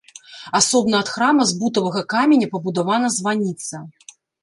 Асобна ад храма з бутавага каменя пабудавана званіца.